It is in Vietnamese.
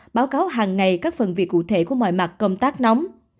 báo cáo hàng ngày các phần việc cụ thể của mọi mặt công tác nắm